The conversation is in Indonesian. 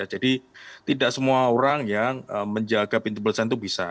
jadi tidak semua orang yang menjaga pintu perlintasan itu bisa